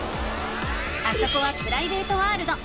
あそこはプライベートワールド。